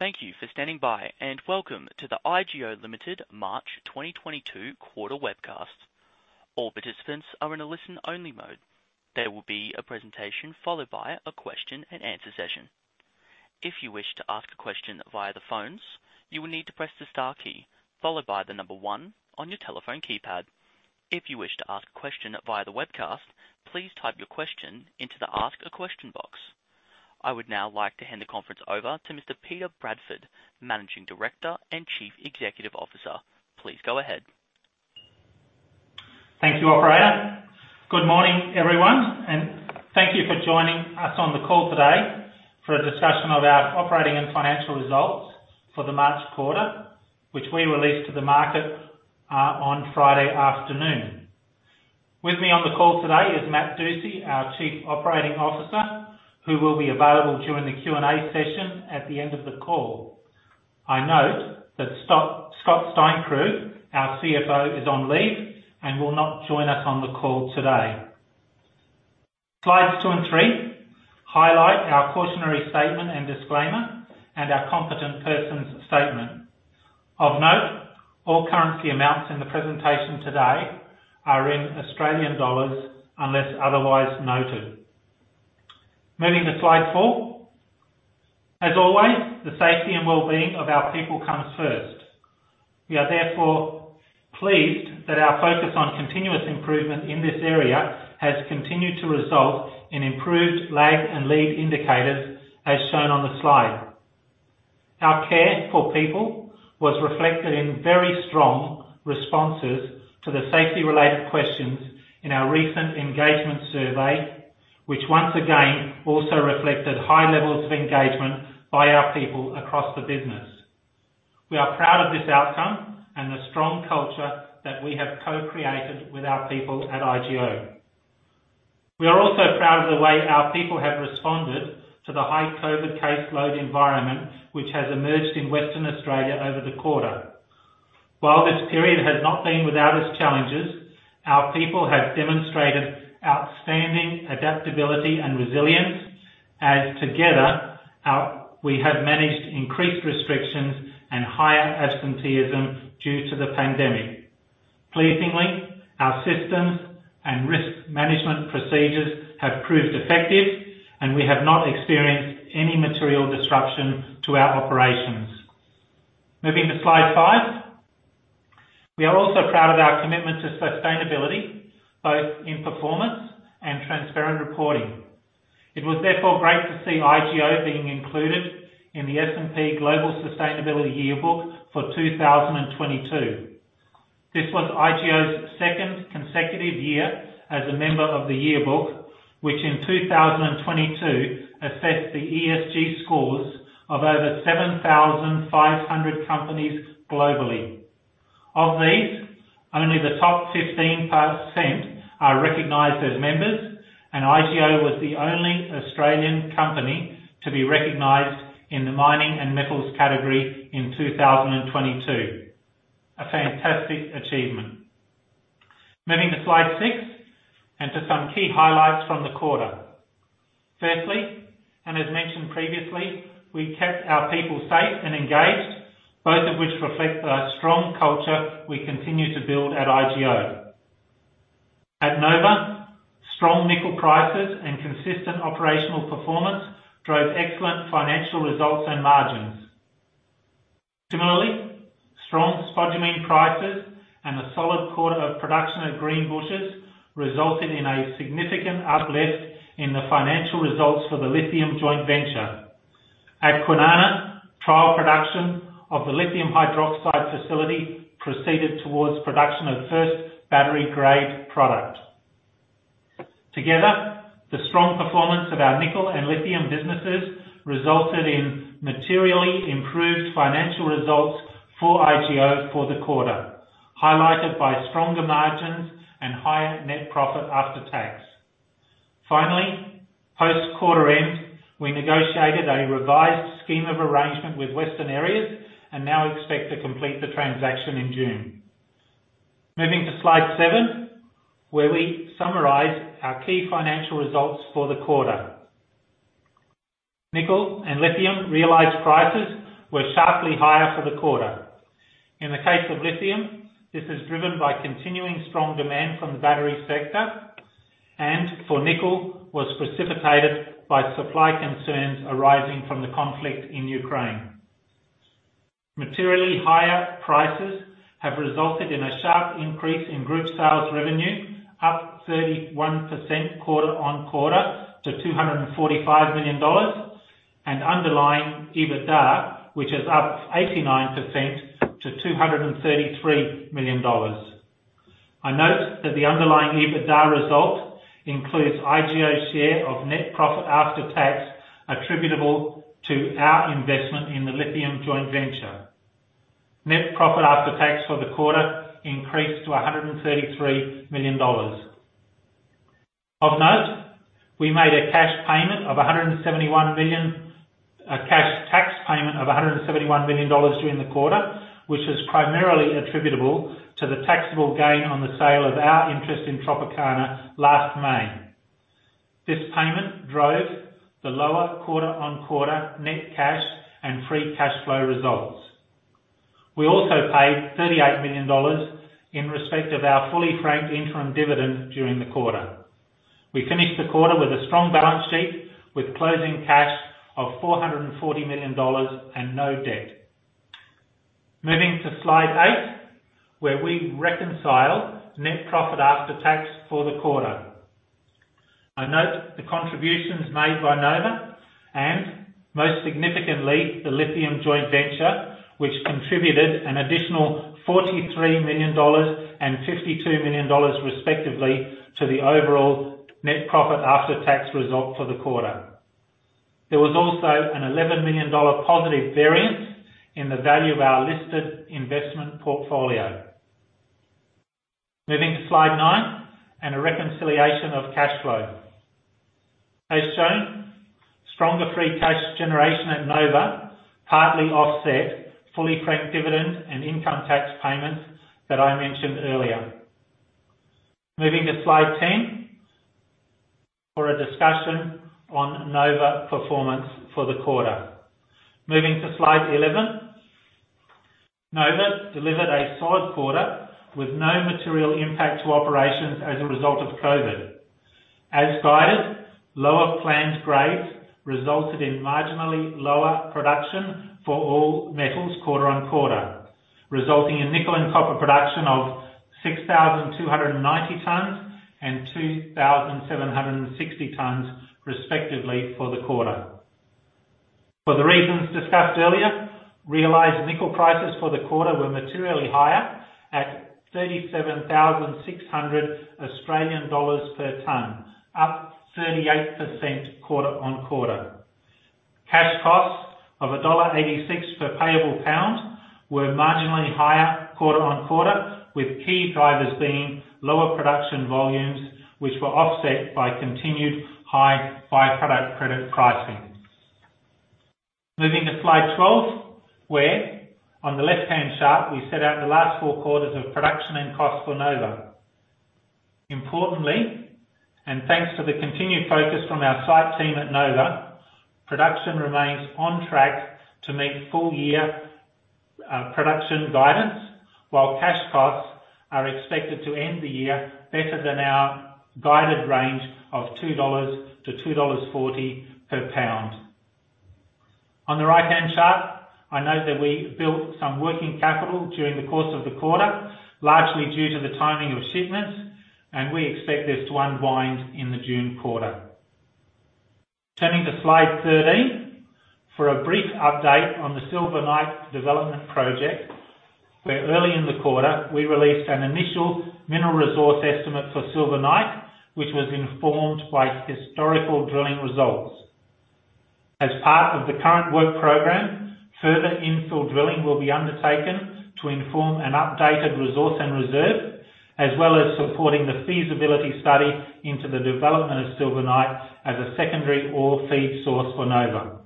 Thank you for standing by, and welcome to the IGO Limited March 2022 quarter webcast. All participants are in a listen-only mode. There will be a presentation followed by a question and answer session. If you wish to ask a question via the phones, you will need to press the star key followed by the number one on your telephone keypad. If you wish to ask a question via the webcast, please type your question into the ask a question box. I would now like to hand the conference over to Mr. Peter Bradford, Managing Director and Chief Executive Officer. Please go ahead. Thank you, operator. Good morning, everyone, and thank you for joining us on the call today for a discussion of our operating and financial results for the March quarter, which we released to the market on Friday afternoon. With me on the call today is Matt Dusci, our Chief Operating Officer, who will be available during the Q&A session at the end of the call. I note that Scott Steinkrug, our CFO, is on leave and will not join us on the call today. Slides two and three highlight our cautionary statement and disclaimer and our competent persons statement. Of note, all currency amounts in the presentation today are in Australian dollars unless otherwise noted. Moving to slide four. As always, the safety and wellbeing of our people comes first. We are therefore pleased that our focus on continuous improvement in this area has continued to result in improved lag and lead indicators as shown on the slide. Our care for people was reflected in very strong responses to the safety-related questions in our recent engagement survey, which once again also reflected high levels of engagement by our people across the business. We are proud of this outcome and the strong culture that we have co-created with our people at IGO. We are also proud of the way our people have responded to the high COVID caseload environment, which has emerged in Western Australia over the quarter. While this period has not been without its challenges, our people have demonstrated outstanding adaptability and resilience, as together we have managed increased restrictions and higher absenteeism due to the pandemic. Pleasingly, our systems and risk management procedures have proved effective, and we have not experienced any material disruption to our operations. Moving to slide five. We are also proud of our commitment to sustainability, both in performance and transparent reporting. It was therefore great to see IGO being included in the S&P Global Sustainability Yearbook for 2022. This was IGO's second consecutive year as a member of the yearbook, which in 2022 assessed the ESG scores of over 7,500 companies globally. Of these, only the top 15% are recognized as members, and IGO was the only Australian company to be recognized in the mining and metals category in 2022. A fantastic achievement. Moving to slide six, and to some key highlights from the quarter. Firstly, and as mentioned previously, we kept our people safe and engaged, both of which reflect the strong culture we continue to build at IGO. At Nova, strong nickel prices and consistent operational performance drove excellent financial results and margins. Similarly, strong spodumene prices and a solid quarter of production at Greenbushes resulted in a significant uplift in the financial results for the lithium joint venture. At Kwinana, trial production of the lithium hydroxide facility proceeded towards production of first battery-grade product. Together, the strong performance of our nickel and lithium businesses resulted in materially improved financial results for IGO for the quarter, highlighted by stronger margins and higher net profit after tax. Finally, post quarter end, we negotiated a revised scheme of arrangement with Western Areas and now expect to complete the transaction in June. Moving to slide seven, where we summarize our key financial results for the quarter. Nickel and lithium realized prices were sharply higher for the quarter. In the case of lithium, this is driven by continuing strong demand from the battery sector, and for nickel was precipitated by supply concerns arising from the conflict in Ukraine. Materially higher prices have resulted in a sharp increase in group sales revenue, up 31% quarter-on-quarter to 245 million dollars and underlying EBITDA, which is up 89% to 233 million dollars. I note that the underlying EBITDA result includes IGO share of net profit after tax attributable to our investment in the lithium joint venture. Net profit after tax for the quarter increased to 133 million dollars. Of note, we made a cash payment of 171 million. A cash tax payment of 171 million dollars during the quarter, which is primarily attributable to the taxable gain on the sale of our interest in Tropicana last May. This payment drove the lower quarter-on-quarter net cash and free cash flow results. We also paid 38 million dollars in respect of our fully franked interim dividend during the quarter. We finished the quarter with a strong balance sheet with closing cash of 440 million dollars and no debt. Moving to slide eight, where we reconcile net profit after tax for the quarter. I note the contributions made by Nova and most significantly, the lithium joint venture, which contributed an additional 43 million dollars and 52 million dollars respectively to the overall net profit after tax result for the quarter. There was also an 11 million dollar positive variance in the value of our listed investment portfolio. Moving to slide nine and a reconciliation of cash flow. As shown, stronger free cash generation at Nova partly offset fully franked dividend and income tax payments that I mentioned earlier. Moving to slide 10 for a discussion on Nova performance for the quarter. Moving to slide 11. Nova delivered a solid quarter with no material impact to operations as a result of COVID. As guided, lower planned grades resulted in marginally lower production for all metals quarter-on-quarter, resulting in nickel and copper production of 6,290 tonnes and 2,760 tonnes respectively for the quarter. For the reasons discussed earlier, realized nickel prices for the quarter were materially higher at 37,600 Australian dollars per tonne, up 38% quarter-on-quarter. Cash costs of dollar 1.86 per payable pound were marginally higher quarter-on-quarter, with key drivers being lower production volumes which were offset by continued high by-product credit pricing. Moving to slide 12, where on the left-hand chart we set out the last four quarters of production and cost for Nova. Importantly, and thanks to the continued focus from our site team at Nova, production remains on track to meet full year production guidance while cash costs are expected to end the year better than our guided range of 2-2.40 dollars per pound. On the right-hand chart, I note that we built some working capital during the course of the quarter, largely due to the timing of shipments, and we expect this to unwind in the June quarter. Turning to slide 13 for a brief update on the Silver Knight development project, where early in the quarter we released an initial mineral resource estimate for Silver Knight, which was informed by historical drilling results. As part of the current work program, further infill drilling will be undertaken to inform an updated resource and reserve, as well as supporting the feasibility study into the development of Silver Knight as a secondary ore feed source for Nova.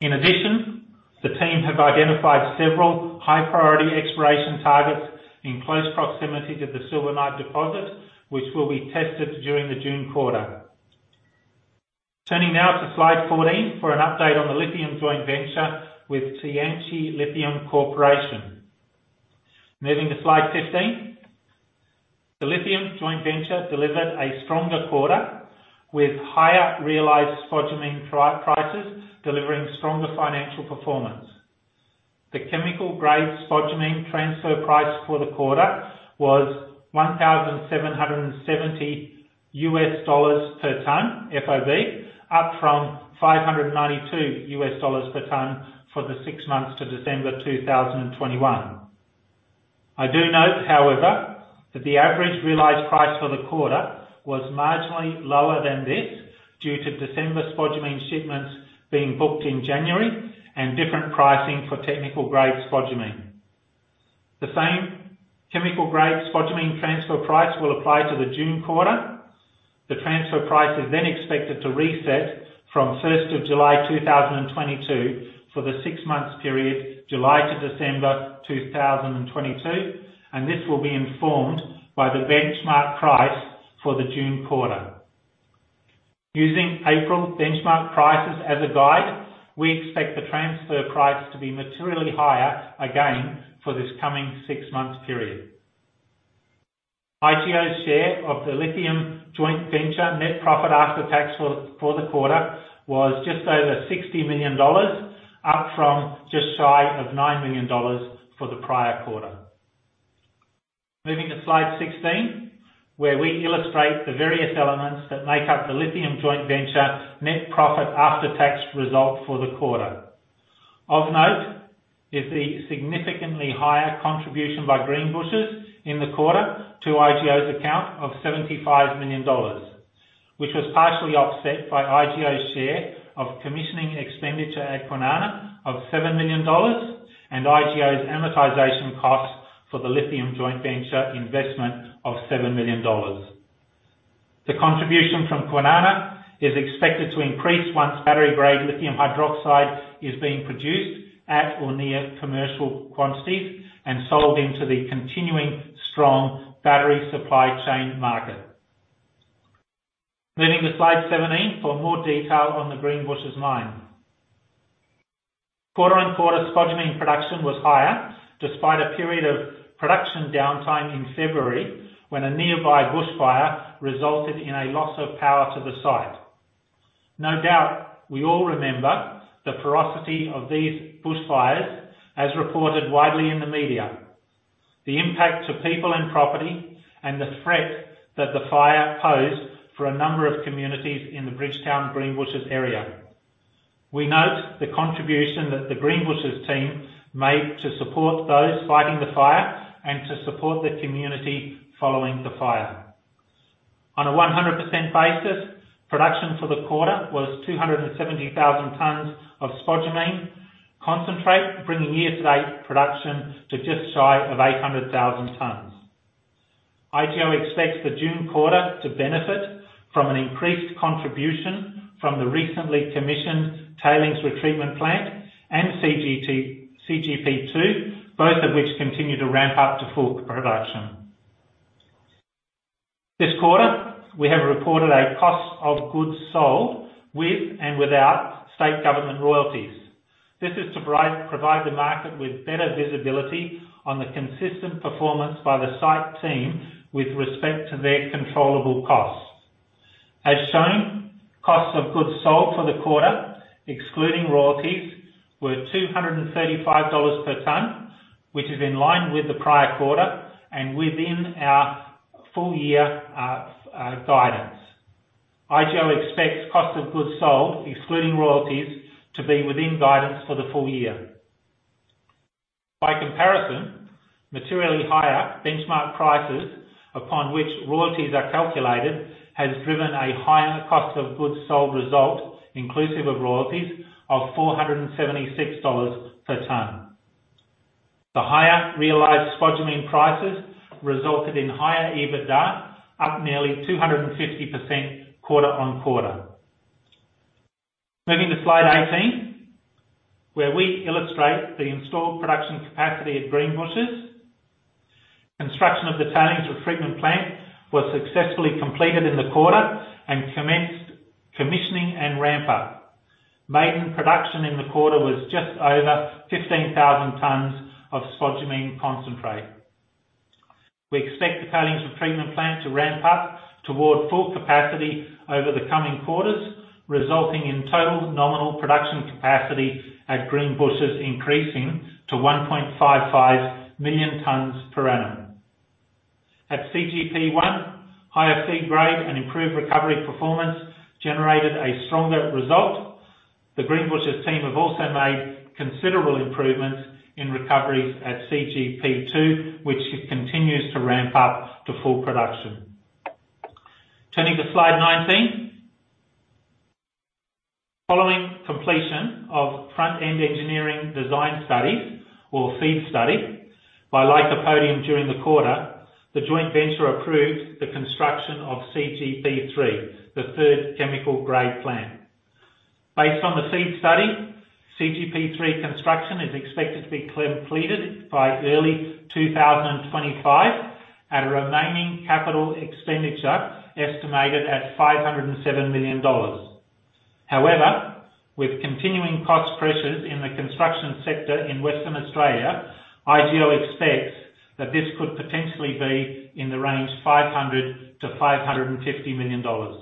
In addition, the team have identified several high priority exploration targets in close proximity to the Silver Knight deposit, which will be tested during the June quarter. Turning now to slide 14 for an update on the lithium joint venture with Tianqi Lithium Corporation. Moving to slide 15. The lithium joint venture delivered a stronger quarter with higher realized spodumene prices, delivering stronger financial performance. The chemical grade spodumene transfer price for the quarter was $1,770 per tonne FOB, up from $592 per tonne for the six months to December 2021. I do note, however, that the average realized price for the quarter was marginally lower than this due to December spodumene shipments being booked in January and different pricing for technical-grade spodumene. The same chemical grade spodumene transfer price will apply to the June quarter. The transfer price is then expected to reset from July 1, 2022 for the six month period July to December 2022, and this will be informed by the benchmark price for the June quarter. Using April benchmark prices as a guide, we expect the transfer price to be materially higher again for this coming six month period. IGO's share of the lithium joint venture net profit after tax for the quarter was just over 60 million dollars, up from just shy of 9 million dollars for the prior quarter. Moving to slide 16, where we illustrate the various elements that make up the lithium joint venture net profit after tax result for the quarter. Of note is the significantly higher contribution by Greenbushes in the quarter to IGO's account of 75 million dollars, which was partially offset by IGO's share of commissioning expenditure at Kwinana of 7 million dollars and IGO's amortization costs for the lithium joint venture investment of 7 million dollars. The contribution from Kwinana is expected to increase once battery-grade lithium hydroxide is being produced at or near commercial quantities and sold into the continuing strong battery supply chain market. Moving to slide 17 for more detail on the Greenbushes mine. Quarter-on-quarter, spodumene production was higher despite a period of production downtime in February when a nearby bushfire resulted in a loss of power to the site. No doubt we all remember the ferocity of these bushfires as reported widely in the media, the impact to people and property, and the threat that the fire posed for a number of communities in the Bridgetown Greenbushes area. We note the contribution that the Greenbushes team made to support those fighting the fire and to support the community following the fire. On a 100% basis, production for the quarter was 270,000 tons of spodumene concentrate, bringing year to date production to just shy of 800,000 tons. IGO expects the June quarter to benefit from an increased contribution from the recently commissioned tailings retreatment plant and CGP2, both of which continue to ramp up to full production. This quarter, we have reported a cost of goods sold with and without state government royalties. This is to provide the market with better visibility on the consistent performance by the site team with respect to their controllable costs. As shown, cost of goods sold for the quarter, excluding royalties, were 235 dollars per ton, which is in line with the prior quarter and within our full year guidance. IGO expects cost of goods sold, excluding royalties, to be within guidance for the full year. By comparison, materially higher benchmark prices upon which royalties are calculated has driven a higher cost of goods sold result, inclusive of royalties of 476 dollars per ton. The higher realized spodumene prices resulted in higher EBITDA, up nearly 250% quarter-over-quarter. Moving to slide 18, where we illustrate the installed production capacity at Greenbushes. Construction of the tailings retreatment plant was successfully completed in the quarter and commenced commissioning and ramp up. Maiden production in the quarter was just over 15,000 tons of spodumene concentrate. We expect the tailings retreatment plant to ramp up toward full capacity over the coming quarters, resulting in total nominal production capacity at Greenbushes, increasing to 1.55 million tons per annum. At CGP1, higher feed grade and improved recovery performance generated a stronger result. The Greenbushes team have also made considerable improvements in recoveries at CGP2, which it continues to ramp up to full production. Turning to slide 19. Following completion of Front-End Engineering Design studies or FEED study by Lycopodium during the quarter, the joint venture approved the construction of CGP3, the third chemical grade plant. Based on the FEED study, CGP3 construction is expected to be completed by early 2025 at a remaining capital expenditure estimated at 507 million dollars. However, with continuing cost pressures in the construction sector in Western Australia, IGO expects that this could potentially be in the range of 500 million-550 million dollars.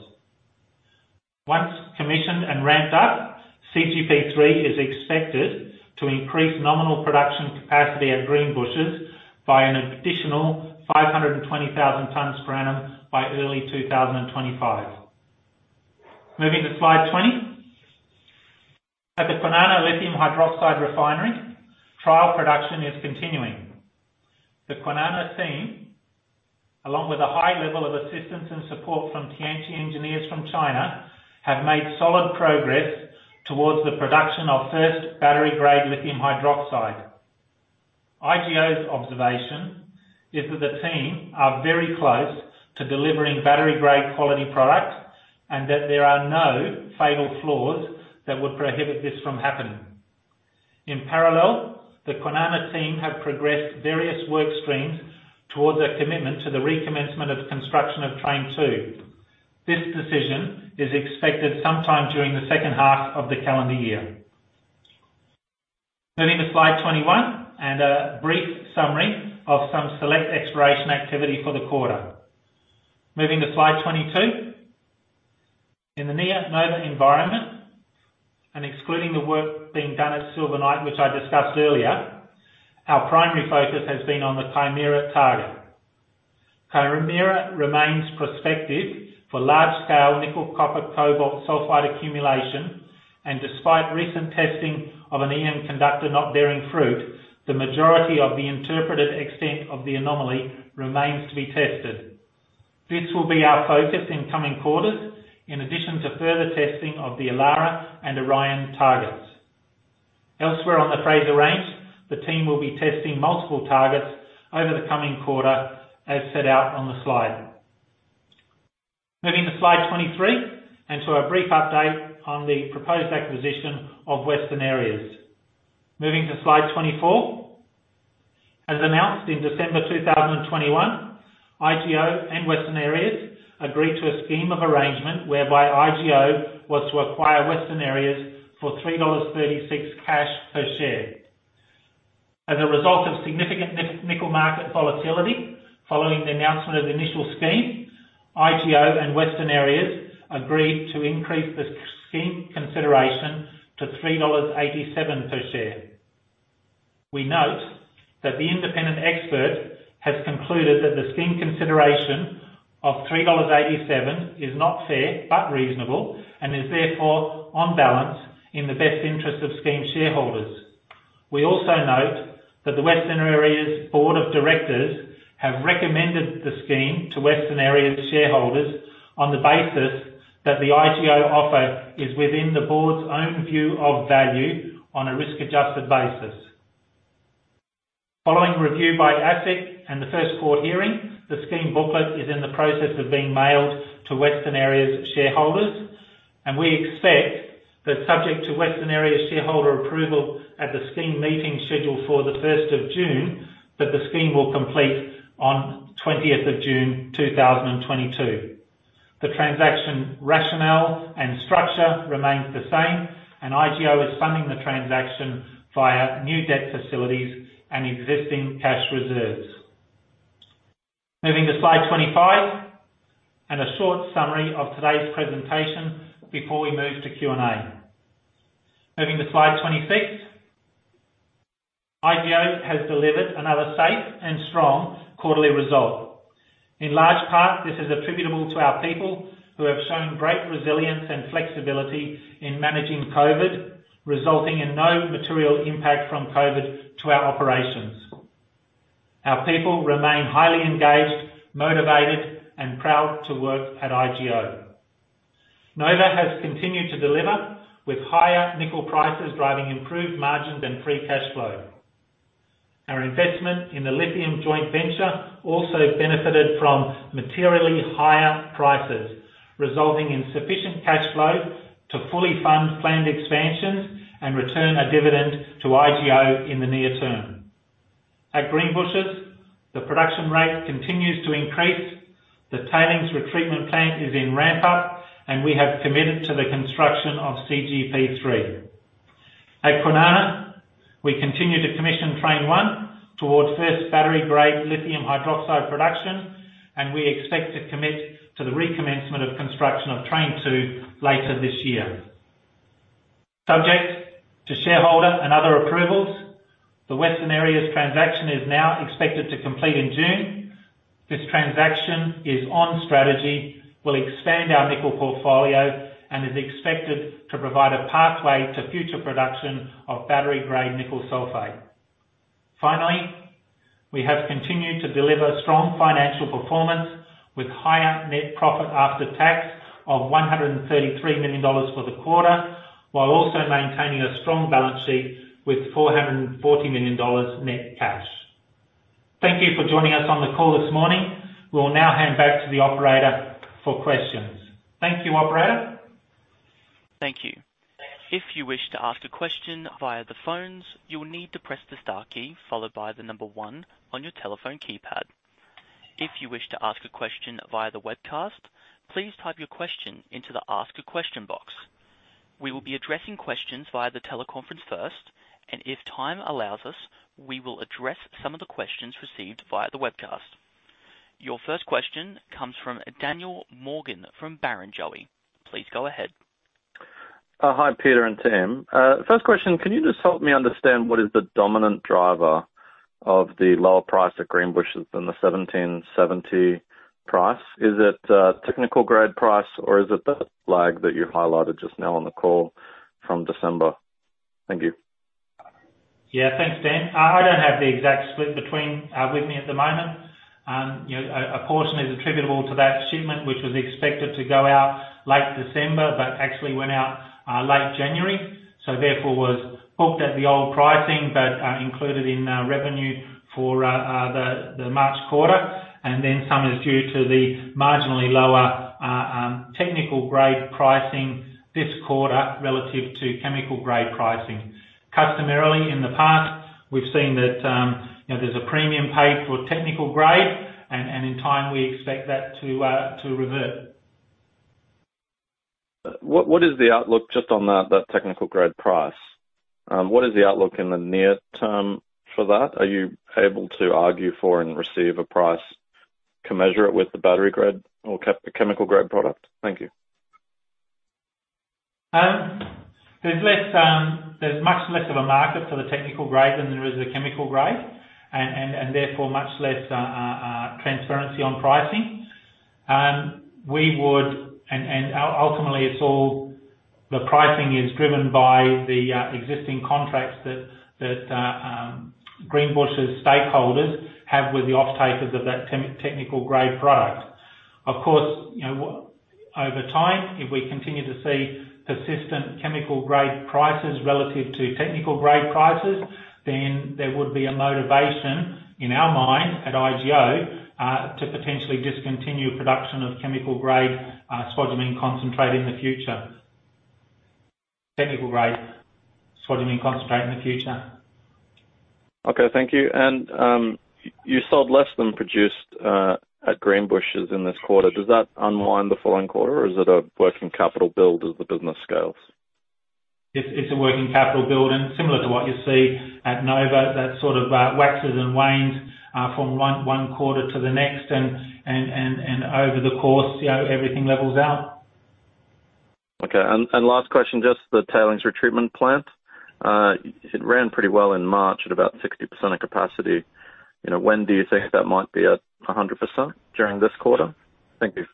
Once commissioned and ramped up, CGP3 is expected to increase nominal production capacity at Greenbushes by an additional 520,000 tons per annum by early 2025. Moving to slide 20. At the Kwinana Lithium Hydroxide Refinery, trial production is continuing. The Kwinana team, along with a high level of assistance and support from Tianqi engineers from China, have made solid progress towards the production of first battery-grade lithium hydroxide. IGO's observation is that the team are very close to delivering battery-grade quality product and that there are no fatal flaws that would prohibit this from happening. In parallel, the Kwinana team have progressed various work streams towards a commitment to the recommencement of the construction of Train Two. This decision is expected sometime during the second half of the calendar year. Moving to slide 21 and a brief summary of some select exploration activity for the quarter. Moving to slide 22. In the near Nova environment and excluding the work being done at Silver Knight, which I discussed earlier, our primary focus has been on the Chimera target. Chimera remains prospective for large scale nickel, copper, cobalt sulfide accumulation and despite recent testing of an EM conductor not bearing fruit, the majority of the interpreted extent of the anomaly remains to be tested. This will be our focus in coming quarters, in addition to further testing of the Elara and Orion targets. Elsewhere on the Fraser Range, the team will be testing multiple targets over the coming quarter as set out on the slide. Moving to slide 23, and to a brief update on the proposed acquisition of Western Areas. Moving to slide 24. As announced in December 2021, IGO and Western Areas agreed to a scheme of arrangement whereby IGO was to acquire Western Areas for 3.36 dollars cash per share. As a result of significant nickel market volatility, following the announcement of the initial scheme, IGO and Western Areas agreed to increase the scheme consideration to 3.87 dollars per share. We note that the independent expert has concluded that the scheme consideration of 3.87 dollars is not fair, but reasonable, and is therefore on balance in the best interest of scheme shareholders. We also note that the Western Areas board of directors have recommended the scheme to Western Areas shareholders on the basis that the IGO offer is within the board's own view of value on a risk-adjusted basis. Following review by ASIC and the first court hearing, the scheme booklet is in the process of being mailed to Western Areas shareholders, and we expect that subject to Western Areas shareholder approval at the scheme meeting scheduled for the first of June, that the scheme will complete on the twentieth of June 2022. The transaction rationale and structure remains the same, and IGO is funding the transaction via new debt facilities and existing cash reserves. Moving to slide 25, and a short summary of today's presentation before we move to Q&A. Moving to slide 26. IGO has delivered another safe and strong quarterly result. In large part, this is attributable to our people who have shown great resilience and flexibility in managing COVID, resulting in no material impact from COVID to our operations. Our people remain highly engaged, motivated, and proud to work at IGO. Nova has continued to deliver with higher nickel prices, driving improved margins and free cash flow. Our investment in the lithium joint venture also benefited from materially higher prices, resulting in sufficient cash flow to fully fund planned expansions and return a dividend to IGO in the near term. At Greenbushes, the production rate continues to increase, the tailings retreatment plant is in ramp up, and we have committed to the construction of CGP3. At Kwinana, we continue to commission Train 1 towards first battery-grade lithium hydroxide production, and we expect to commit to the recommencement of construction of Train 2 later this year. Subject to shareholder and other approvals, the Western Areas transaction is now expected to complete in June. This transaction is on strategy, will expand our nickel portfolio, and is expected to provide a pathway to future production of battery-grade nickel sulfate. Finally, we have continued to deliver strong financial performance with higher net profit after tax of 133 million dollars for the quarter, while also maintaining a strong balance sheet with 440 million dollars net cash. Thank you for joining us on the call this morning. We'll now hand back to the operator for questions. Thank you, operator. Thank you. If you wish to ask a question via the phones, you will need to press the star key followed by the number one on your telephone keypad. If you wish to ask a question via the webcast, please type your question into the ask a question box. We will be addressing questions via the teleconference first, and if time allows us, we will address some of the questions received via the webcast. Your first question comes from Daniel Morgan from Barrenjoey. Please go ahead. Hi, Peter and Tim. First question, can you just help me understand what is the dominant driver of the lower price at Greenbushes than the $1,770 price? Is it technical grade price, or is it the lag that you highlighted just now on the call from December? Thank you. Yeah. Thanks, Dan. I don't have the exact split with me at the moment. You know, a portion is attributable to that shipment, which was expected to go out late December, but actually went out late January, so therefore was booked at the old pricing, but included in our revenue for the March quarter. Then some is due to the marginally lower technical grade pricing this quarter relative to chemical grade pricing. Customarily, in the past, we've seen that, you know, there's a premium paid for technical grade and in time we expect that to revert. What is the outlook just on that technical grade price? What is the outlook in the near term for that? Are you able to argue for and receive a price commensurate with the battery grade or chemical grade product? Thank you. There's much less of a market for the technical grade than there is the chemical grade and therefore much less transparency on pricing. Ultimately, it's all the pricing is driven by the existing contracts that Greenbushes stakeholders have with the off-takers of that technical grade product. Of course, you know, over time, if we continue to see persistent chemical grade prices relative to technical grade prices, then there would be a motivation in our mind at IGO to potentially discontinue production of chemical grade spodumene concentrate in the future. Technical grade spodumene concentrate in the future. Okay, thank you. You sold less than produced at Greenbushes in this quarter. Does that unwind the following quarter or is it a working capital build as the business scales? It's a working capital build and similar to what you see at Nova, that sort of waxes and wanes from one quarter to the next. Over the course, you know, everything levels out. Okay. Last question, just the tailings retreatment plant. It ran pretty well in March at about 60% of capacity. You know, when do you think that might be at 100%? During this quarter? Thank you.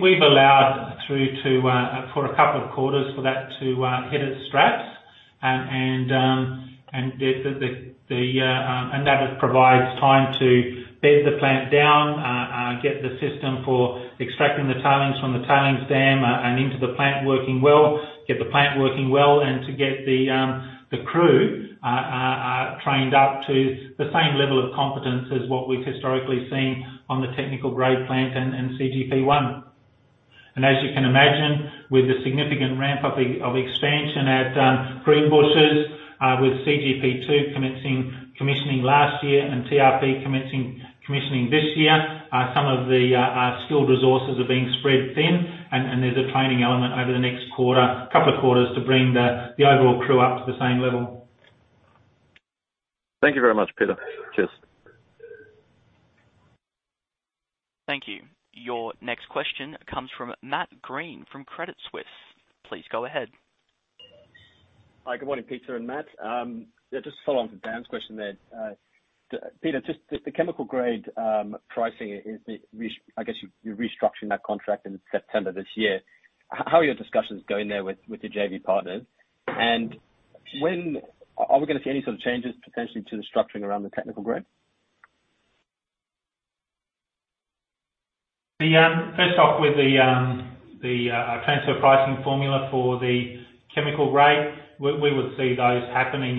We've allowed throughput for a couple of quarters for that to hit its straps. That provides time to bed the plant down, get the system for extracting the tailings from the tailings dam and into the plant working well, get the plant working well, and to get the crew trained up to the same level of competence as what we've historically seen on the technical grade plant and CGP1. As you can imagine, with the significant ramp up of expansion at Greenbushes, with CGP2 commencing commissioning last year and TRP commencing commissioning this year, some of the skilled resources are being spread thin and there's a training element over the next quarter, couple of quarters to bring the overall crew up to the same level. Thank you very much, Peter. Cheers. Thank you. Your next question comes from Matt Greene from Credit Suisse. Please go ahead. Hi. Good morning, Peter and Matt. Just to follow on to Dan's question there. Peter, just the chemical grade pricing. I guess you're restructuring that contract in September this year. How are your discussions going there with your JV partners? When are we gonna see any sort of changes potentially to the structuring around the technical grade? First off with the transfer pricing formula for the chemical grade, we would see those happening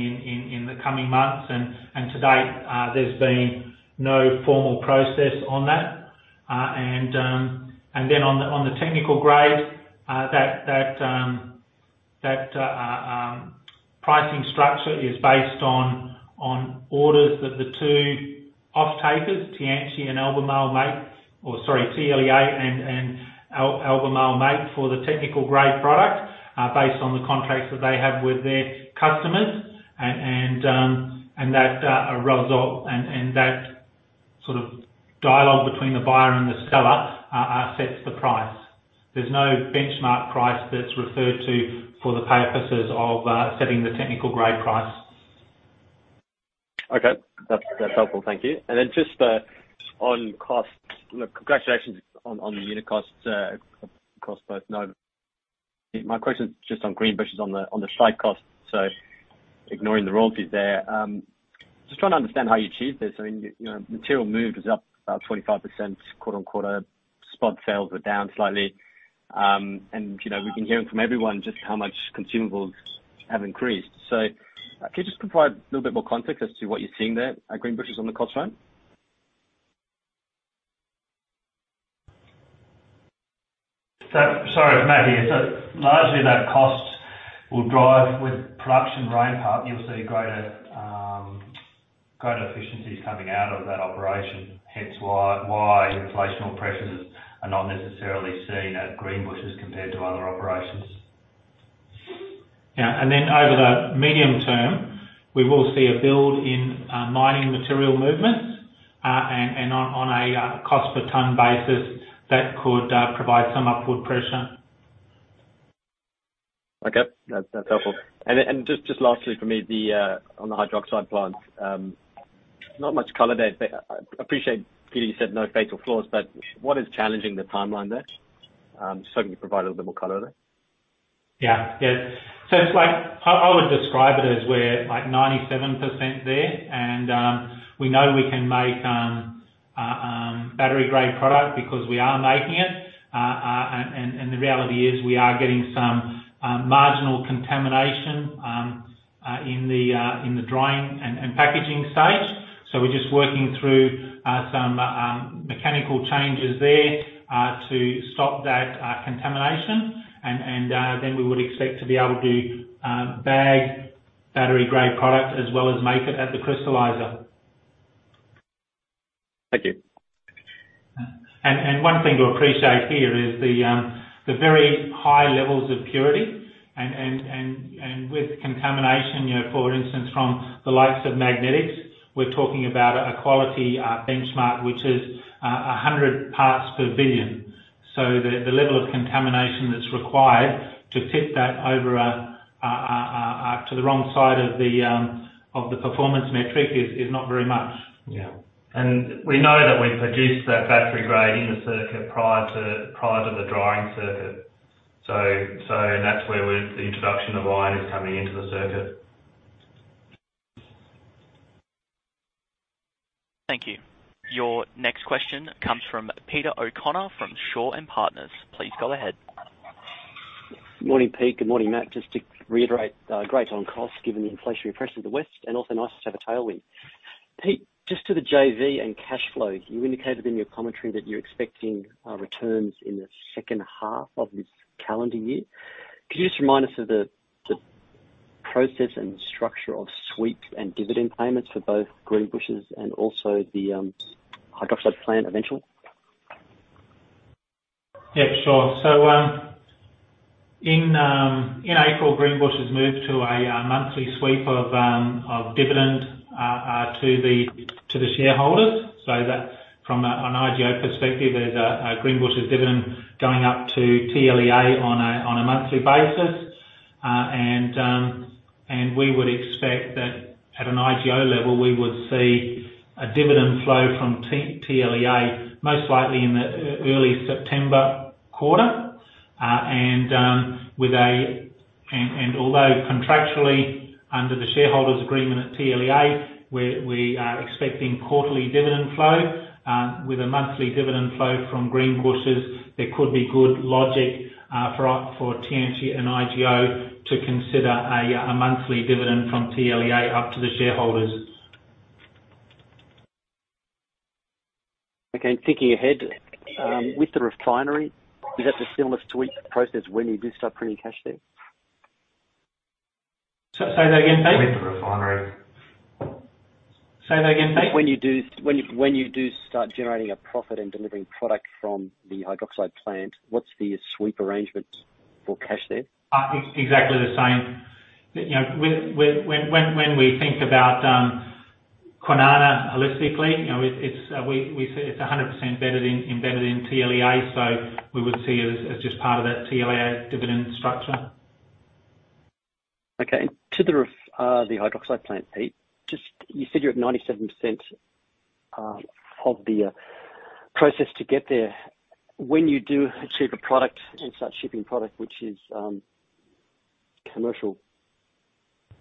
in the coming months. To date, there's been no formal process on that. Then on the technical grade, that pricing structure is based on orders that the two offtakers, Tianqi and Albemarle make. Or sorry, TLEA and Albemarle make for the technical grade product, based on the contracts that they have with their customers. That sort of dialogue between the buyer and the seller sets the price. There's no benchmark price that's referred to for the purposes of setting the technical grade price. Okay. That's helpful. Thank you. Just on costs. Look, congratulations on the unit costs at both Nova. My question is just on Greenbushes, on the site cost, so ignoring the royalties there. Just trying to understand how you achieved this. I mean, you know, material moved is up about 25% quarter-on-quarter. Spot sales were down slightly. You know, we've been hearing from everyone just how much consumables have increased. Can you just provide a little bit more context as to what you're seeing there at Greenbushes on the cost front? Sorry. Matt here. Largely that cost will drive with production ramp up. You'll see greater efficiencies coming out of that operation, hence why inflationary pressures are not necessarily seen at Greenbushes compared to other operations. Yeah. Over the medium term, we will see a build in mining material movements, and on a cost per ton basis that could provide some upward pressure. Okay. That's helpful. Just lastly from me, on the hydroxide plant, not much color there, but I appreciate, Peter, you said no fatal flaws, but what is challenging the timeline there? Just hoping you can provide a little bit more color there. It's like I would describe it as we're like 97% there, and we know we can make battery-grade product because we are making it. The reality is we are getting some marginal contamination in the drying and packaging stage. We're just working through some mechanical changes there to stop that contamination. We would expect to be able to bag battery-grade product as well as make it at the crystallizer. Thank you. One thing to appreciate here is the very high levels of purity and with contamination, you know, for instance, from the likes of magnetics, we're talking about a quality benchmark which is 100 parts per billion. The level of contamination that's required to tip that over to the wrong side of the performance metric is not very much. Yeah. We know that we produce that battery grade in the circuit prior to the drying circuit. That's where the introduction of iron is coming into the circuit. Thank you. Your next question comes from Peter O'Connor from Shaw and Partners. Please go ahead. Morning, Pete. Good morning, Matt. Just to reiterate, great on costs, given the inflationary pressure of the West, and also nice to have a tailwind. Pete, just to the JV and cash flow, you indicated in your commentary that you're expecting returns in the second half of this calendar year. Could you just remind us of the process and structure of sweeps and dividend payments for both Greenbushes and also the hydroxide plant eventually? Yeah, sure. In April, Greenbushes moved to a monthly sweep of dividend to the shareholders. That from an IGO perspective is Greenbushes' dividend going up to TLEA on a monthly basis. We would expect that at an IGO level, we would see a dividend flow from TLEA most likely in the early September quarter. Although contractually under the shareholders' agreement at TLEA, we are expecting quarterly dividend flow, with a monthly dividend flow from Greenbushes, there could be good logic for Tianqi and IGO to consider a monthly dividend from TLEA up to the shareholders. Okay. Thinking ahead, with the refinery, is that the S-curve process when you do start printing cash there? Say that again, Pete. With the refinery. Say that again, Pete. When you do start generating a profit and delivering product from the hydroxide plant, what's the sweep arrangements for cash there? Exactly the same. You know, when we think about Kwinana holistically, you know, it's we say it's 100% embedded in TLEA, so we would see it as just part of that TLEA dividend structure. Okay. To the hydroxide plant, Peter, you just said you're at 97% of the process to get there. When you do achieve a product and start shipping product which is commercial,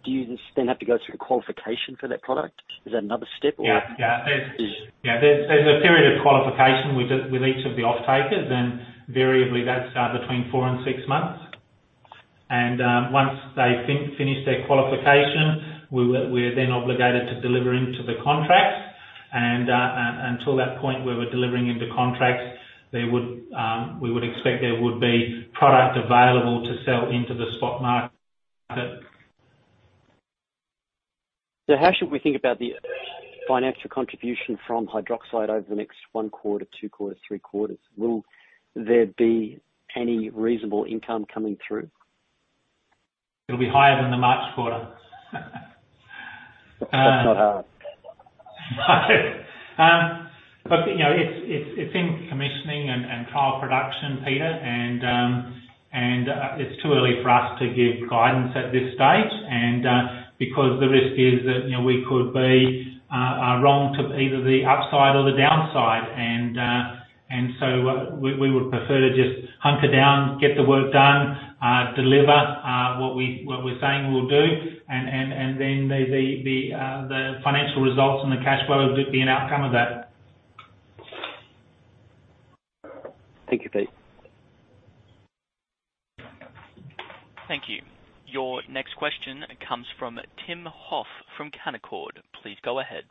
do you just then have to go through a qualification for that product? Is that another step or? There's a period of qualification with each of the offtakers, and variably that's between four and six months. Once they finish their qualification, we're then obligated to deliver into the contracts. Until that point where we're delivering into contracts, we would expect there would be product available to sell into the spot market. How should we think about the financial contribution from hydroxide over the next 1 quarter, 2 quarters, 3 quarters? Will there be any reasonable income coming through? It'll be higher than the March quarter. That's not hard. You know, it's in commissioning and trial production, Peter. It's too early for us to give guidance at this stage. Because the risk is that, you know, we could be wrong to either the upside or the downside. We would prefer to just hunker down, get the work done, deliver what we're saying we'll do, and then the financial results and the cash flow would be an outcome of that. Thank you, Pete. Thank you. Your next question comes from Timothy Hoff from Canaccord. Please go ahead.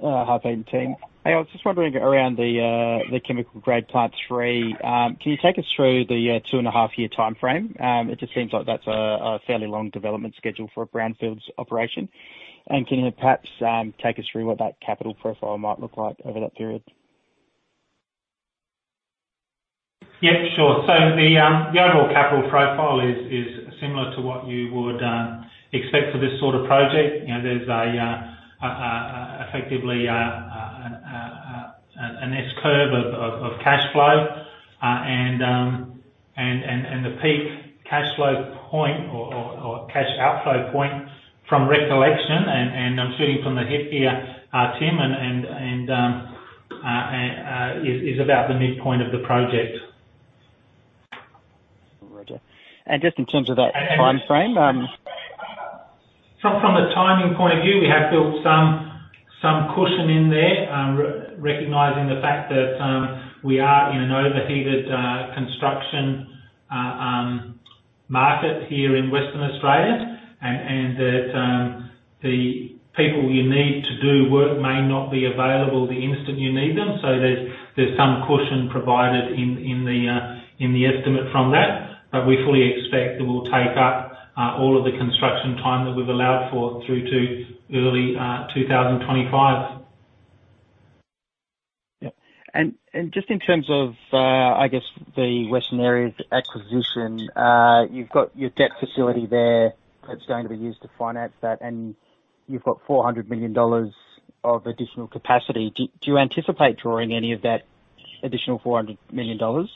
Hi, Pete and team. Hey, I was just wandering around the Chemical Grade Plant 3. Can you take us through the two and a half year timeframe? It just seems like that's a fairly long development schedule for a brownfields operation. Can you perhaps take us through what that capital profile might look like over that period? Yeah, sure. The overall capital profile is similar to what you would expect for this sort of project. You know, there's effectively an S-curve of cash flow, and the peak cash flow point or cash outflow point from recollection, and I'm shooting from the hip here, Tim, and is about the midpoint of the project. Roger. Just in terms of that timeframe. From a timing point of view, we have built some cushion in there recognizing the fact that we are in an overheated construction market here in Western Australia and that the people you need to do work may not be available the instant you need them. There's some cushion provided in the estimate from that, but we fully expect that we'll take up all of the construction time that we've allowed for through to early 2025. Just in terms of, I guess the Western Areas acquisition, you've got your debt facility there that's going to be used to finance that, and you've got 400 million dollars of additional capacity. Do you anticipate drawing any of that additional 400 million dollars?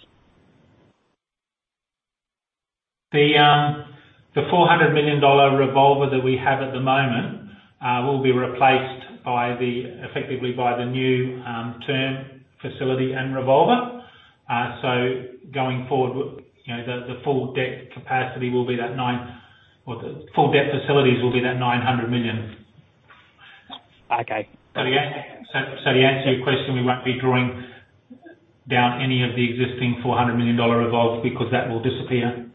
The 400 million dollar revolver that we have at the moment will be replaced effectively by the new term facility and revolver. Going forward, you know, the full debt facilities will be that 900 million. Okay. To answer your question, we won't be drawing down any of the existing 400 million dollar revolver because that will disappear.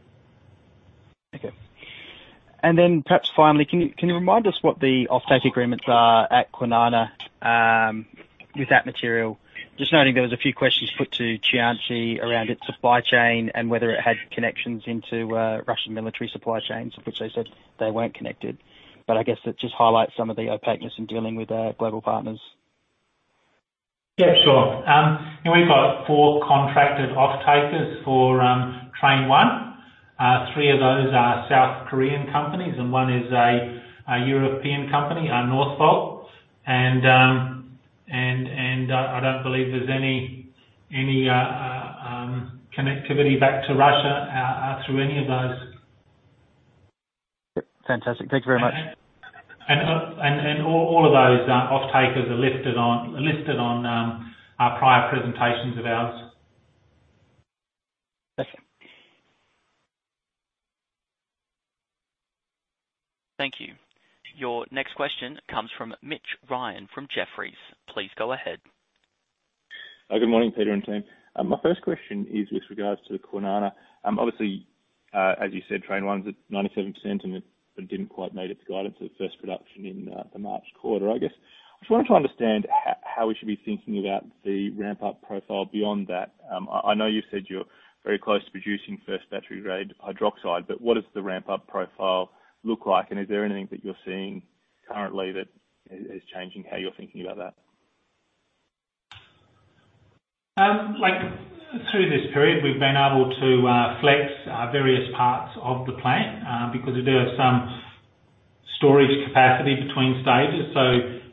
Okay. Perhaps finally, can you remind us what the offtake agreements are at Kwinana, with that material? Just noting there was a few questions put to Tianqi around its supply chain and whether it had connections into Russian military supply chains, of which they said they weren't connected. I guess it just highlights some of the opaqueness in dealing with their global partners. Yeah, sure. You know, we've got four contracted off-takers for Train 1. Three of those are South Korean companies, and one is a European company, Northvolt. I don't believe there's any connectivity back to Russia through any of those. Fantastic. Thank you very much. All of those off-takers are listed on our prior presentations of ours. Thank you. Thank you. Your next question comes from Mitch Ryan from Jefferies. Please go ahead. Good morning, Peter and team. My first question is with regards to Kwinana. Obviously, as you said, Train 1's at 97% and it didn't quite meet its guidance of first production in the March quarter. I guess I just wanted to understand how we should be thinking about the ramp-up profile beyond that. I know you said you're very close to producing first battery-grade hydroxide, but what does the ramp-up profile look like? And is there anything that you're seeing currently that is changing how you're thinking about that? Like, through this period, we've been able to flex various parts of the plant, because we do have some storage capacity between stages.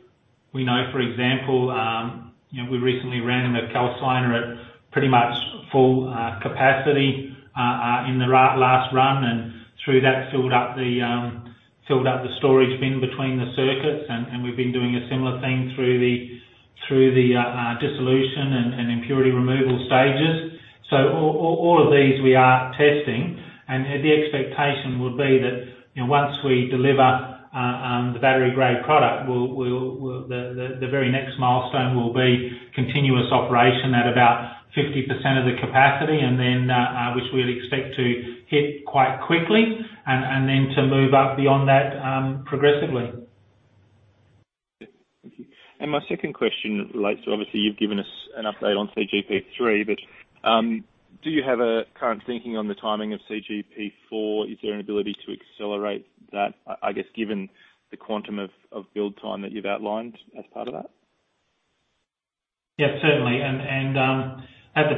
We know, for example, you know, we recently ran a calciner at pretty much full capacity in the last run, and through that filled up the storage bin between the circuits. We've been doing a similar thing through the dissolution and impurity removal stages. All of these we are testing. The expectation would be that, you know, once we deliver the battery-grade product, we'll. The very next milestone will be continuous operation at about 50% of the capacity, and then which we'll expect to hit quite quickly and then to move up beyond that, progressively. Thank you. My second question relates to, obviously, you've given us an update on CGP3, but do you have a current thinking on the timing of CGP4? Is there an ability to accelerate that, I guess, given the quantum of build time that you've outlined as part of that? Yeah, certainly. At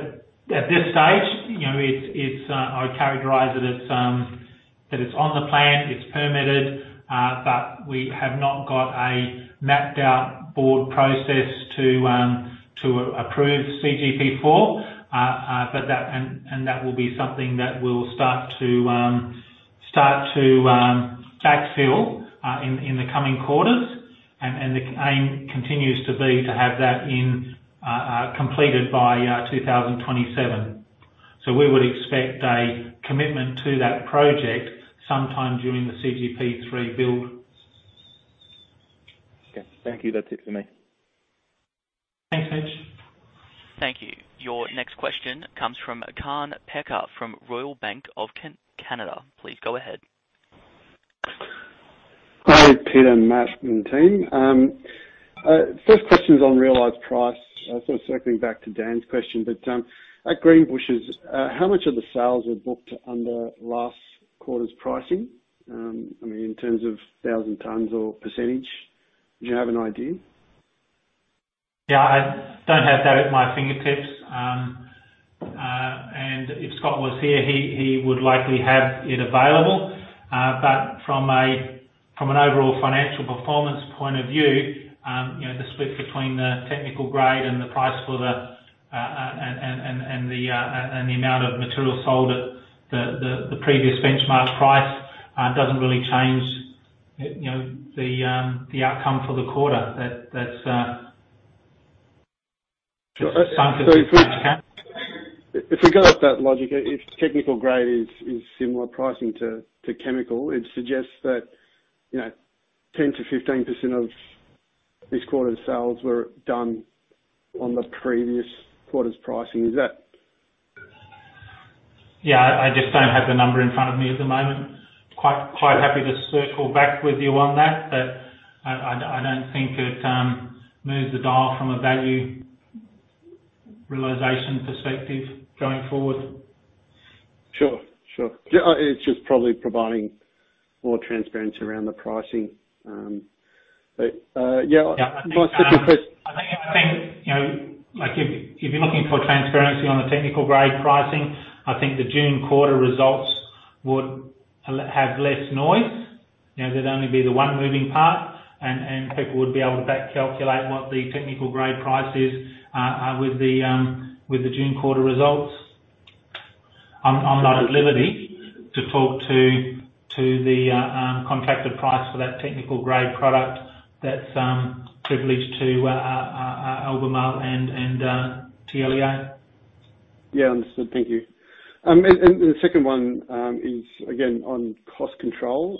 this stage, you know, I would characterize it as that it's on the plan, it's permitted, but we have not got a mapped out board process to approve CGP4. That will be something that we'll start to backfill in the coming quarters. The aim continues to be to have that completed by 2027. We would expect a commitment to that project sometime during the CGP3 build. Okay. Thank you. That's it for me. Thanks, Mitch. Thank you. Your next question comes from Kaan Peker from Royal Bank of Canada. Please go ahead. Hi, Peter and Matt and team. First question is on realized price, sort of circling back to Dan's question. At Greenbushes, how much of the sales were booked under last quarter's pricing? I mean, in terms of thousand tons or percentage, do you have an idea? Yeah. I don't have that at my fingertips. If Scott was here, he would likely have it available. From an overall financial performance point of view, you know, the split between the technical grade and the price for the and the amount of material sold at the previous benchmark price doesn't really change, you know, the outcome for the quarter. That's ah. If we go with that logic, if technical grade is similar pricing to chemical, it suggests that, you know, 10%-15% of this quarter's sales were done on the previous quarter's pricing is that. Yeah. I just don't have the number in front of me at the moment. Quite happy to circle back with you on that. I don't think it moves the dial from a value realization perspective going forward. Sure. Yeah, it's just probably providing more transparency around the pricing. Yeah. Yeah. My second question. I think you know like if you're looking for transparency on the technical grade pricing, I think the June quarter results would have less noise. You know there'd only be the one moving part, and people would be able to back calculate what the technical grade price is with the June quarter results. I'm not at liberty to talk to the contracted price for that technical grade product. That's privileged to Albemarle and TLEA. Yeah. Understood. Thank you. The second one is again, on cost control.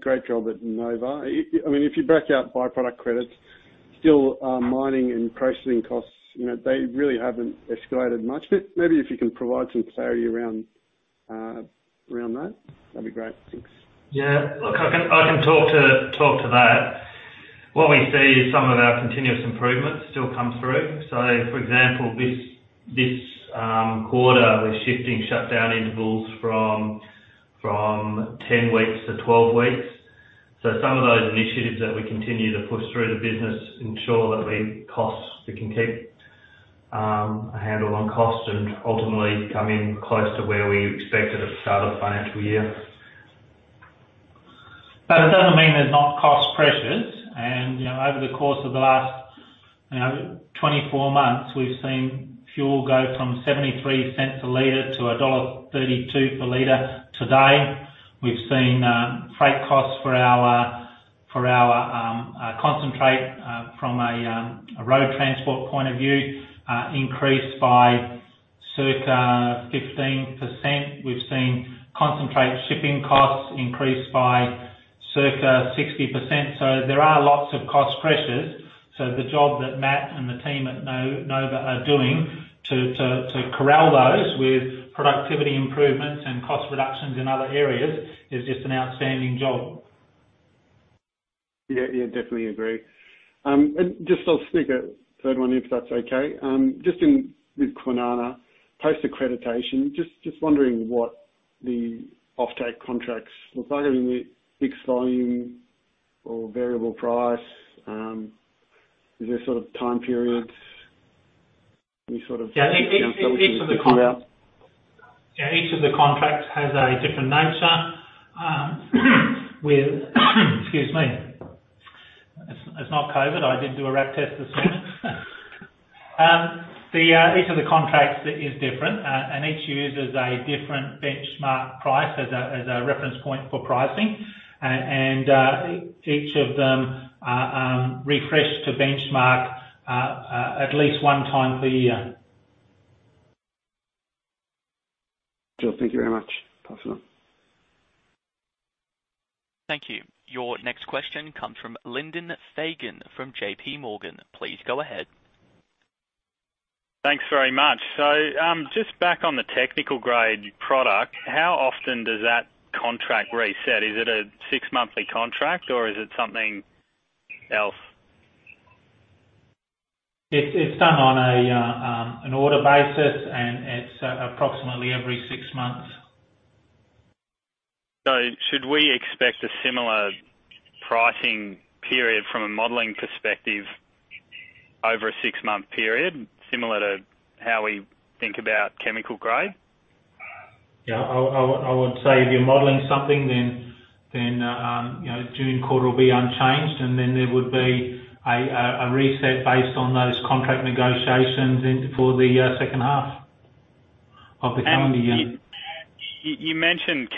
Great job at Nova. I mean, if you back out by-product credits, still, mining and processing costs, you know, they really haven't escalated much. Maybe if you can provide some clarity around that'd be great. Thanks. Yeah. Look, I can talk to that. What we see is some of our continuous improvements still come through. For example, this quarter, we're shifting shutdown intervals from 10 weeks to 12 weeks. Some of those initiatives that we continue to push through the business ensure that we can keep a handle on costs and ultimately come in close to where we expected at the start of the financial year. It doesn't mean there's not cost pressures. You know, over the course of the last 24 months, we've seen fuel go from 0.73 a liter to dollar 1.32 per liter today. We've seen freight costs for our concentrate from a road transport point of view increase by circa 15%. We've seen concentrate shipping costs increase by circa 60%. There are lots of cost pressures. The job that Matt and the team at Nova are doing to corral those with productivity improvements and cost reductions in other areas is just an outstanding job. Yeah. Yeah, definitely agree. I'll sneak a third one if that's okay. Just in with Kwinana post-accreditation, just wondering what the offtake contracts look like. I mean, fixed volume or variable price. Is there sort of time periods? Any sort of Yeah, each of the contracts has a different nature. Excuse me. It's not COVID. I did do a RAT test this morning. Each of the contracts is different, and each uses a different benchmark price as a reference point for pricing, and each of them are refreshed to benchmark at least one time per year. Cool. Thank you very much. Talk soon. Thank you. Your next question comes from Lyndon Fagan from JPMorgan. Please go ahead. Thanks very much. Just back on the technical grade product, how often does that contract reset? Is it a six-monthly contract or is it something else? It's done on an order basis, and it's approximately every six months. Should we expect a similar pricing period from a modeling perspective over a six-month period, similar to how we think about chemical grade? Yeah. I would say if you're modeling something then you know, June quarter will be unchanged, and then there would be a reset based on those contract negotiations for the second half of the calendar year. You mentioned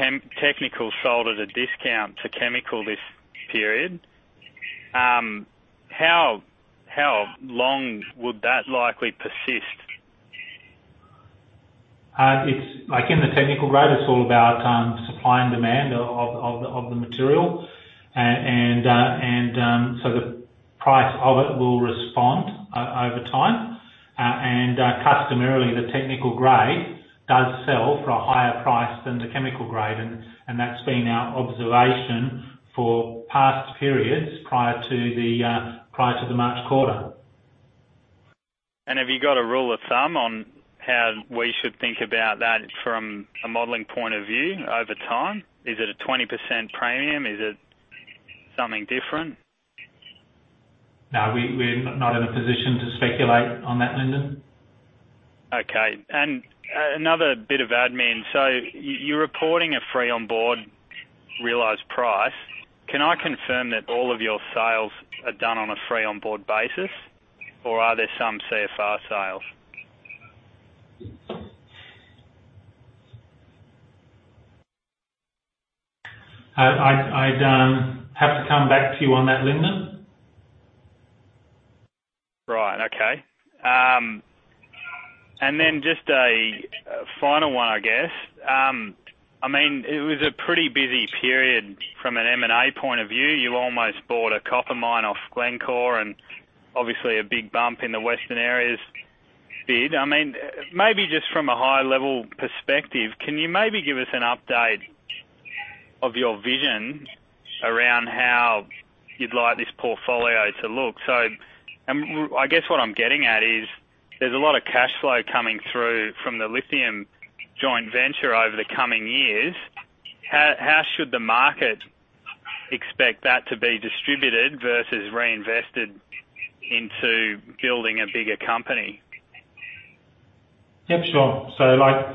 technical sold at a discount to chemical this period. How long would that likely persist? It's like in the technical grade, it's all about supply and demand of the material. The price of it will respond over time. Customarily, the technical grade does sell for a higher price than the chemical grade, and that's been our observation for past periods prior to the March quarter. Have you got a rule of thumb on how we should think about that from a modeling point of view over time? Is it a 20% premium? Is it something different? No. We're not in a position to speculate on that, Lyndon. Okay. Another bit of admin. You're reporting a free on board realized price. Can I confirm that all of your sales are done on a free on board basis or are there some CFR sales? I'd have to come back to you on that, Lyndon. Right. Okay. Just a final one, I guess. I mean, it was a pretty busy period from an M&A point of view. You almost bought a copper mine off Glencore and obviously a big bump in the Western Areas bid. I mean, maybe just from a high level perspective, can you maybe give us an update of your vision around how you'd like this portfolio to look? I guess what I'm getting at is there's a lot of cash flow coming through from the lithium joint venture over the coming years. How should the market expect that to be distributed versus reinvested into building a bigger company? Yeah, sure. Like,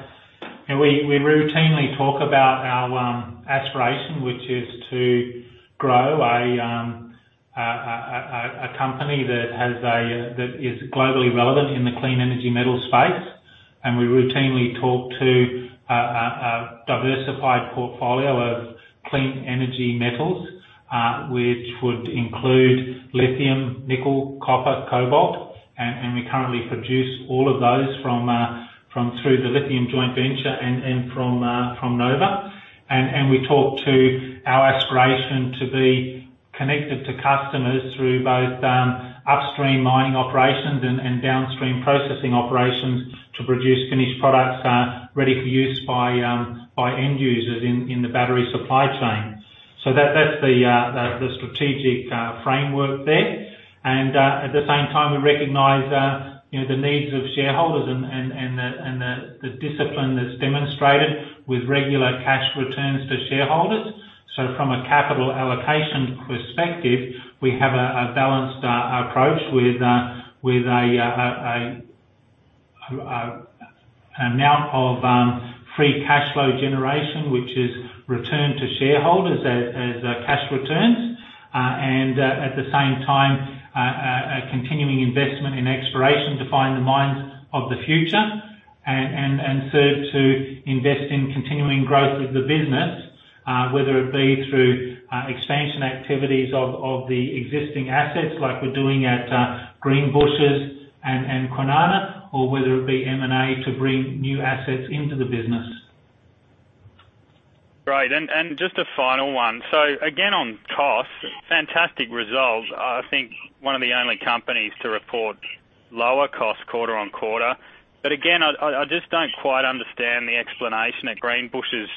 you know, we routinely talk about our aspiration, which is to grow a company that is globally relevant in the clean energy metal space. We routinely talk about a diversified portfolio of clean energy metals, which would include lithium, nickel, copper, cobalt. We currently produce all of those from through the lithium joint venture and from Nova. We talk about our aspiration to be connected to customers through both upstream mining operations and downstream processing operations to produce finished products ready for use by end users in the battery supply chain. That's the strategic framework there. At the same time, we recognize, you know, the needs of shareholders and the discipline that's demonstrated with regular cash returns to shareholders. From a capital allocation perspective, we have a balanced approach with an amount of free cash flow generation, which is returned to shareholders as cash returns. At the same time, a continuing investment in exploration to find the mines of the future and third, to invest in continuing growth of the business, whether it be through expansion activities of the existing assets like we're doing at Greenbushes and Kwinana, or whether it be M&A to bring new assets into the business. Great. Just a final one. Again, on costs, fantastic results. I think one of the only companies to report lower costs quarter-on-quarter. Again, I just don't quite understand the explanation at Greenbushes.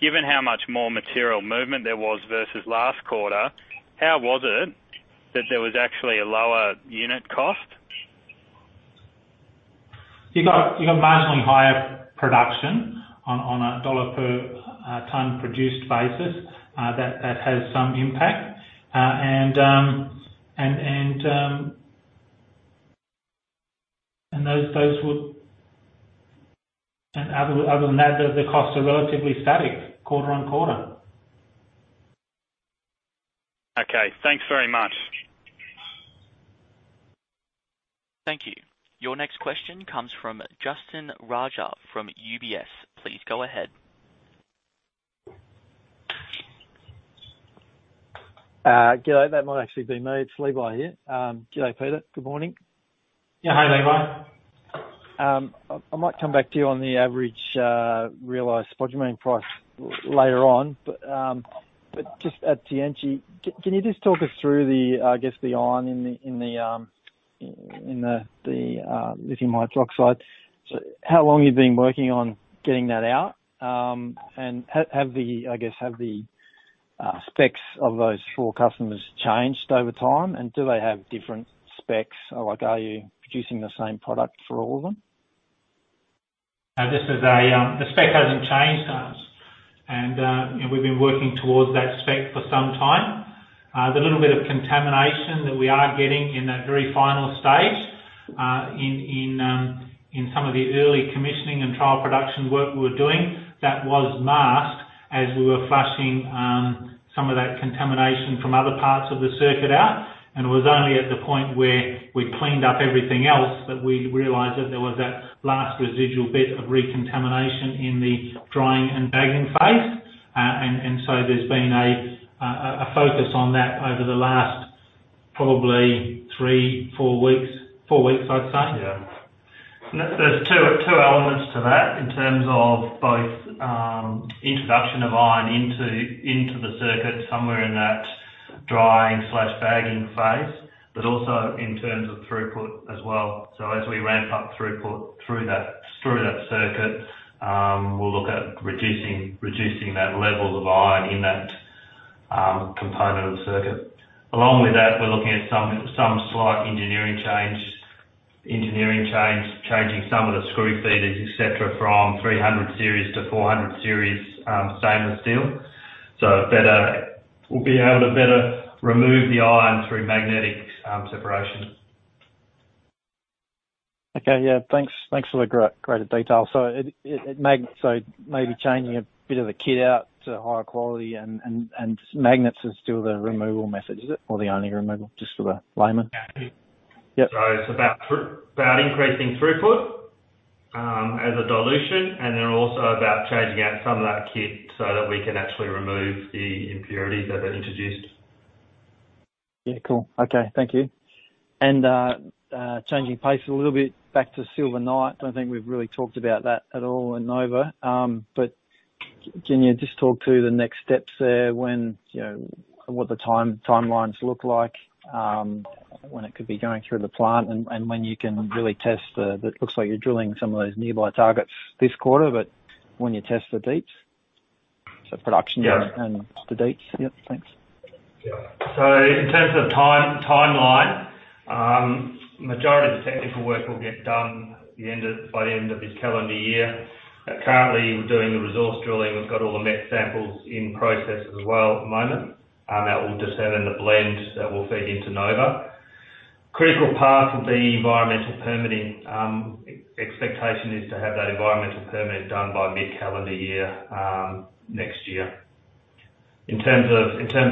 Given how much more material movement there was versus last quarter, how was it that there was actually a lower unit cost? You got marginally higher production on a dollar per ton produced basis, that has some impact. Other than that, the costs are relatively static quarter-over-quarter. Okay, thanks very much. Thank you. Your next question comes from Justine Rigel from UBS. Please go ahead. Good day. That might actually be me. It's Levi here. Good day, Peter. Good morning. Yeah. Hi, Levi. I might come back to you on the average realized spodumene price later on. Just at Tianqi, can you just talk us through the, I guess, the iron in the lithium hydroxide? How long you've been working on getting that out? Have the, I guess, specs of those four customers changed over time? Do they have different specs? Like, are you producing the same product for all of them? The spec hasn't changed. You know, we've been working towards that spec for some time. The little bit of contamination that we are getting in that very final stage, in some of the early commissioning and trial production work we're doing, that was masked as we were flushing some of that contamination from other parts of the circuit out. It was only at the point where we'd cleaned up everything else that we'd realized that there was that last residual bit of recontamination in the drying and bagging phase. There's been a focus on that over the last probably three, four weeks. four weeks, I'd say. Yeah. There's two elements to that in terms of both introduction of iron into the circuit somewhere in that drying/bagging phase, but also in terms of throughput as well. As we ramp up throughput through that circuit, we'll look at reducing that level of iron in that component of the circuit. Along with that, we're looking at some slight engineering change, changing some of the screw feeders, et cetera, from 300 series to 400 series stainless steel. We'll be able to better remove the iron through magnetic separation. Okay. Yeah. Thanks for the great detail. Maybe changing a bit of the kit out to higher quality and magnets is still the removal method, is it? The only removal just for the layman? Yeah. Yep. It's about increasing throughput as a dilution, and then also about changing out some of that kit so that we can actually remove the impurities that are introduced. Yeah. Cool. Okay. Thank you. Changing pace a little bit back to Silver Knight. I don't think we've really talked about that at all in Nova. Can you just talk through the next steps there when, you know, what the timelines look like, when it could be going through the plant and when you can really test the. It looks like you're drilling some of those nearby targets this quarter, but when you test the deeps. Production Yeah. The deeps. Yep. Thanks. In terms of timeline, majority of the technical work will get done by the end of this calendar year. Currently, we're doing the resource drilling. We've got all the met samples in process as well at the moment. That will just be in the blend that will feed into Nova. Critical path of the environmental permitting, expectation is to have that environmental permit done by mid-calendar year next year. In terms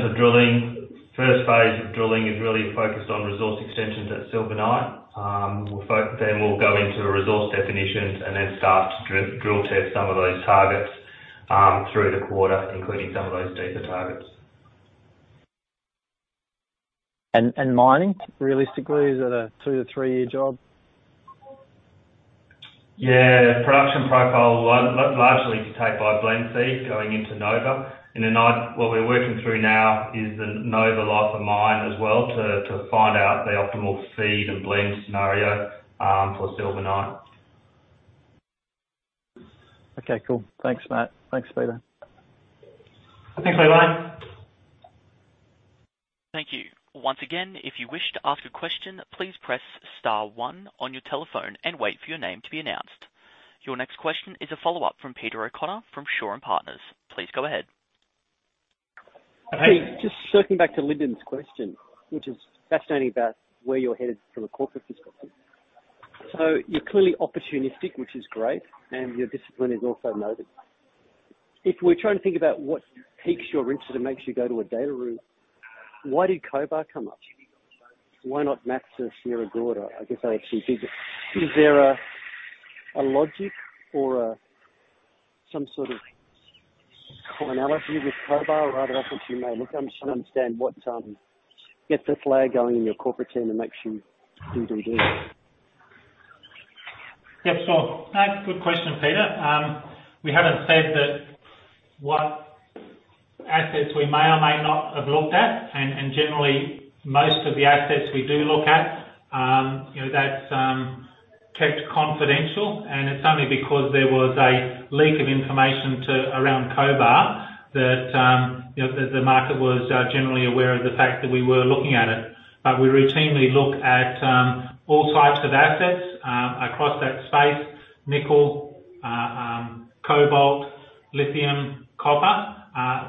of drilling, first phase of drilling is really focused on resource extensions at Silver Knight. We'll go into resource definitions and then start to drill test some of those targets through the quarter, including some of those deeper targets. Mining, realistically, is it a two to three year job? Yeah. Production profile will largely be dictated by blend feed going into Nova. What we're working through now is the Nova life of mine as well to find out the optimal feed and blend scenario for Silver Knight. Okay, cool. Thanks, Matt. Thanks, Peter. Thanks, everyone. Thank you. Once again, if you wish to ask a question, please press star one on your telephone and wait for your name to be announced. Your next question is a follow-up from Peter O'Connor from Shaw and Partners. Please go ahead Just circling back to Lyndon's question, which is fascinating about where you're headed from a corporate perspective. You're clearly opportunistic, which is great, and your discipline is also noted. If we're trying to think about what piques your interest and makes you go to a data room, why did Cobar come up? Why not MATSA, Sierra Gorda? I guess they have some bigger. Is there a logic or some sort of commonality with Cobar right off that you may look at? I'm just trying to understand what gets this flag going in your corporate team and makes you do due diligence. Yeah, sure. Good question, Peter. We haven't said that what assets we may or may not have looked at. Generally, most of the assets we do look at, you know, that's kept confidential. It's only because there was a leak of information to around Cobar that, you know, the market was generally aware of the fact that we were looking at it. We routinely look at all types of assets across that space, nickel, cobalt, lithium, copper,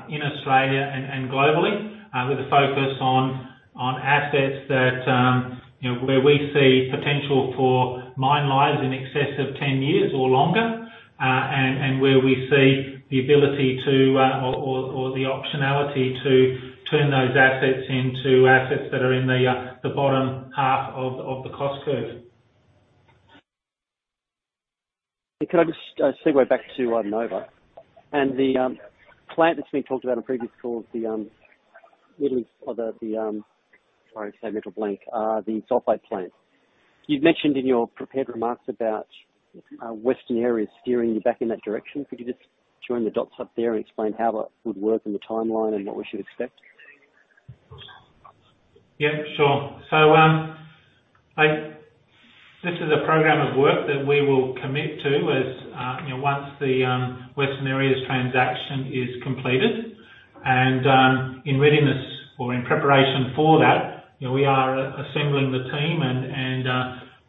in Australia and globally, with a focus on assets that, you know, where we see potential for mine lives in excess of 10 years or longer, and where we see the ability to, or the optionality to turn those assets into assets that are in the bottom half of the cost curve. Can I just segue back to Nova? The plant that's been talked about on previous calls, the middles or the, sorry to say mental blank, the sulfate plant. You've mentioned in your prepared remarks about Western Areas steering you back in that direction. Could you just join the dots up there and explain how that would work and the timeline and what we should expect? Yeah, sure. This is a program of work that we will commit to as, you know, once the Western Areas transaction is completed. In readiness or in preparation for that, you know, we are assembling the team and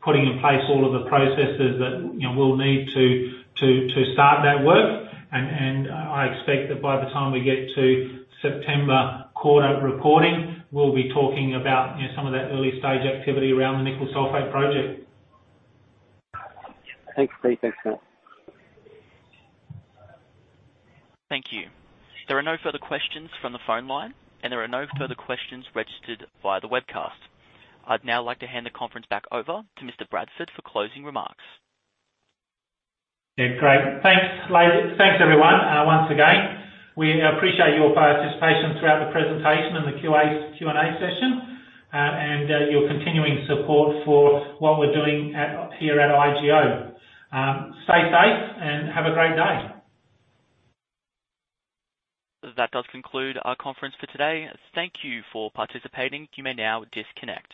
putting in place all of the processes that, you know, we'll need to start that work. I expect that by the time we get to September quarter reporting, we'll be talking about, you know, some of that early stage activity around the nickel sulfate project. Thanks, Pete. Thanks, Matt. Thank you. There are no further questions from the phone line, and there are no further questions registered via the webcast. I'd now like to hand the conference back over to Mr. Bradford for closing remarks. Yeah, great. Thanks, ladies. Thanks, everyone. Once again, we appreciate your participation throughout the presentation and the QA, Q&A session, and your continuing support for what we're doing at, here at IGO. Stay safe and have a great day. That does conclude our conference for today. Thank you for participating. You may now disconnect.